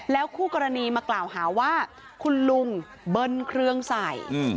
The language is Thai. คู่กรณีมากล่าวหาว่าคุณลุงเบิ้ลเครื่องใส่